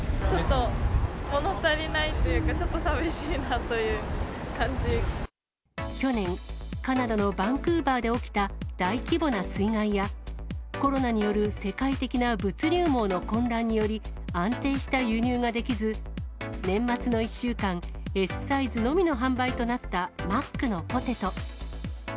ちょっと物足りないというか、去年、カナダのバンクーバーで起きた大規模な水害や、コロナによる世界的な物流網の混乱により、安定した輸入ができず、年末の１週間、Ｓサイズのみの販売となったマックのポテト。